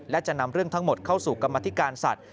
และจะนำเรื่องทั้งหมดเข้าสู่กรรมธิการสัตว